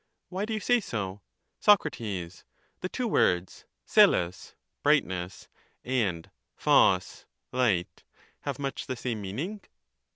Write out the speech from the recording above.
Why do you say so? Soc. The two words oeXa^ (brightness) and 0dJf (light) have much the same meaning?